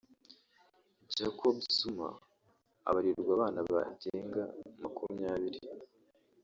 Jacob Zuma abarirwa abana bagenga makumyabiri